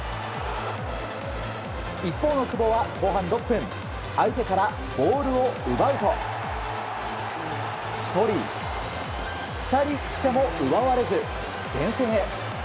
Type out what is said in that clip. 一方の久保は、後半６分相手からボールを奪うと１人、２人来ても奪われず前線へ。